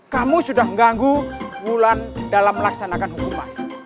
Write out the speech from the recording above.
kamu sudah mengganggu bulan dalam melaksanakan hukuman